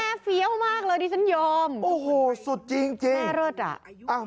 เฟี้ยวมากเลยดิฉันยอมโอ้โหสุดจริงจริงแม่เลิศอ่ะ